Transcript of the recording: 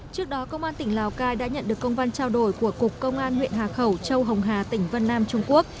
trước đó công an tỉnh lào cai đã nhận được công văn trao đổi của cục công an huyện hà khẩu châu hồng hà tỉnh vân nam trung quốc